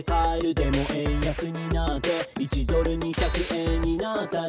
「でも円安になって１ドル２００円になったら」